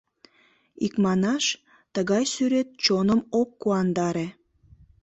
Икманаш, тыгай сӱрет чоным ок куандаре.